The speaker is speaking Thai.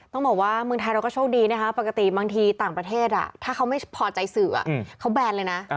ต้องบอกว่าเมืองไทยเราก็โชคดีนะคะปกติบางทีต่างประเทศถ้าเขาไม่พอใจสื่อเขาแบนเลยนะ